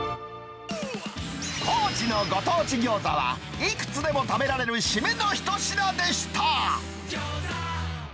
高知のご当地餃子は、いくつでも食べられる締めの一品でした。